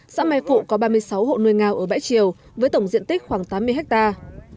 xã mai phụ có ba mươi sáu hộ nuôi ngao ở bãi triều với tổng diện tích khoảng tám mươi hectare